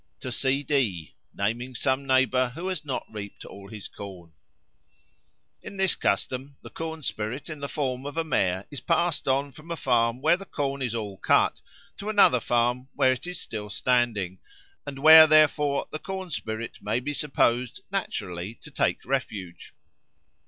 "To C. D.," naming some neighbour who has not reaped all his corn. In this custom the corn spirit in the form of a mare is passed on from a farm where the corn is all cut to another farm where it is still standing, and where therefore the corn spirit may be supposed naturally to take refuge.